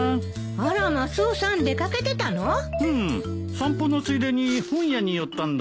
散歩のついでに本屋に寄ったんだ。